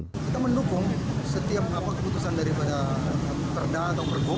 kita mendukung setiap keputusan daripada perda atau pergub